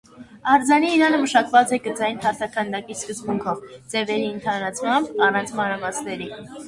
Արձանի իրանը մշակված է գծային հարթաքանդակի սկզբունքով, ձևերի ընդհանրացմամբ՝ առանց մանրամասների։